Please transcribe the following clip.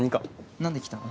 何で来たの？